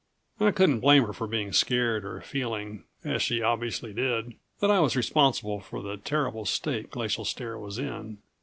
I couldn't blame her for being scared or feeling, as she obviously did, that I was responsible for the terrible state Glacial Stare was in.